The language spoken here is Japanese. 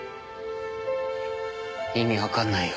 意味わかんないよ。